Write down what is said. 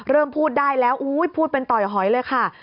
เริ่มพูดได้แล้วพูดเป็นต่อยหอยเลยค่ะ